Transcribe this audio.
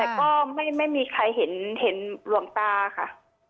แต่ก็ไม่มีใครเห็นหลวงตาค่ะ